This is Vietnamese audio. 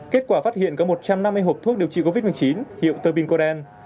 kết quả phát hiện có một trăm năm mươi hộp thuốc điều trị covid một mươi chín hiệu tơ binh cô đen